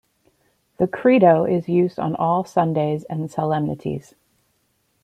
The "Credo" is used on all Sundays and solemnities.